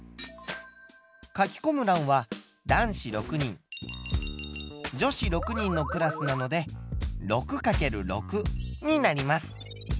書きこむらんは男子６人女子６人のクラスなので６×６になります。